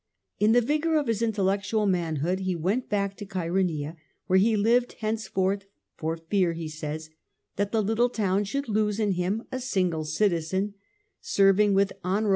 In the vigour of his intellec tual manhood he went back to Chaeroneia, where he lived henceforth, for fear, he says, that the little town should lose in him a single citizen; serving with honourable A.